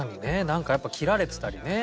なんかやっぱ切られてたりね。